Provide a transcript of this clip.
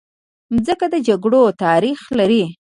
مځکه د جګړو تاریخ لري.